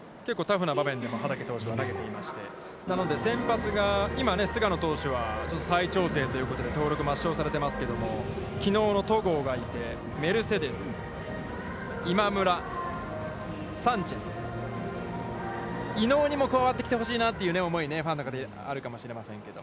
結構タフな場面でも畠投手は投げていまして、なので先発が今、菅野投手は再調整ということで登録抹消されていますけど、きのうの戸郷がいてメルセデス、今村、サンチェス、井納にも加わってきてほしいなという思いがあるでしょうけど。